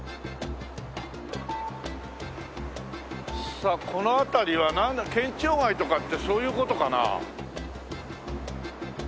さあこの辺りは県庁街とかってそういう事かな？